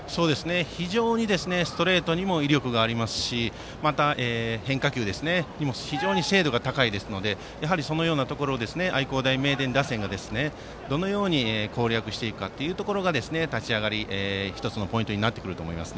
非常にストレートにも威力がありますしまた、変化球も非常に精度が高いですのでやはり、そのようなところを愛工大名電打線がどのように攻略していくかが立ち上がり、１つのポイントになってくると思います。